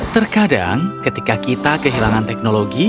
terkadang ketika kita kehilangan teknologi